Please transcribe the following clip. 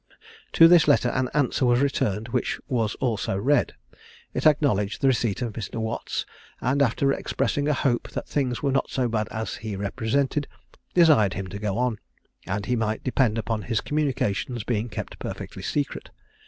To this letter an answer was returned which was also read. It acknowledged the receipt of Mr. Watt's; and after expressing a hope that things were not so bad as he represented, desired him to go on, and he might depend upon his communications being kept perfectly secret.